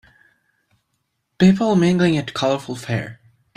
People mingling at colorful fair